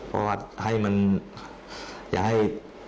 เพราะว่าให้มันอย่าให้